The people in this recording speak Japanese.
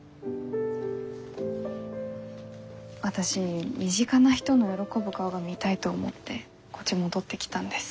私身近な人の喜ぶ顔が見たいと思ってこっち戻ってきたんです。